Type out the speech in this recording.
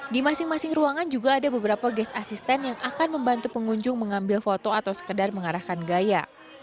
di masing masing ruangan juga ada beberapa ges asisten yang akan membantu pengunjung mengambil foto atau sekedar mengarahkan gaya